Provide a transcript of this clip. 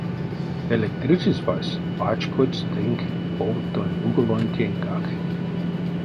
Электричествась пачкодсь тынк овтонь уголонтеньгак.